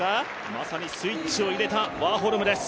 まさにスイッチを入れたワーホルムです。